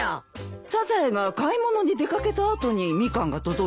サザエが買い物に出掛けた後にミカンが届いたんだもの。